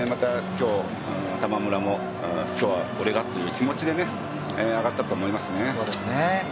玉村も今日は俺がという気持ちで上がったと思いますね。